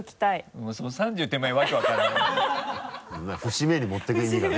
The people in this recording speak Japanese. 節目に持っていく意味がね